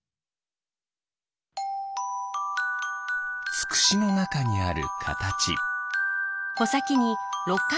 ツクシのなかにあるカタチ。